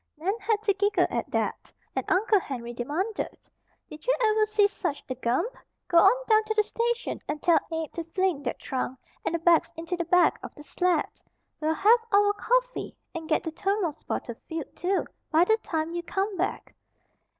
Nan had to giggle at that, and Uncle Henry demanded: "Did you ever see such a gump? Go on down to the station and tell Abe to fling that trunk and the bags into the back of the sled. We'll have our coffee, and get the thermos bottle filled, too, by the time you come back."